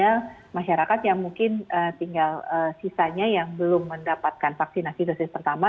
jadi ini adalah masyarakat yang mungkin tinggal sisanya yang belum mendapatkan vaksinasi dosis pertama